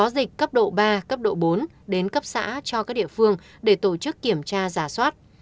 dịch cấp độ ba cấp độ bốn đến cấp xã cho các địa phương để tổ chức kiểm tra giả soát